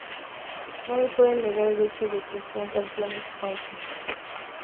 Nadie puede negar el hecho de que sean canciones "country"".